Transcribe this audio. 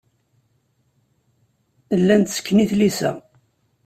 Llan ttekken i tlisa.